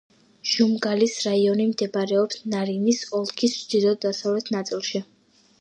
ჟუმგალის რაიონი მდებარეობს ნარინის ოლქის ჩრდილო-დასავლეთ ნაწილში.